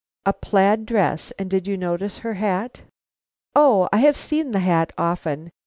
"A plaid dress! And did you notice her hat?" "O, I have seen the hat often.